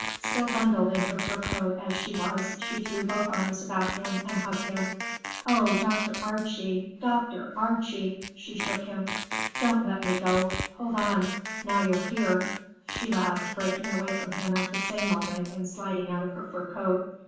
Still bundled in her fur coat as she was, she threw both arms about him and hugged him. "Oh, Dr. Archie, Dr. Archie,"—she shook him,—"don't let me go. Hold on, now you're here," she laughed, breaking away from him at the same moment and sliding out of her fur coat.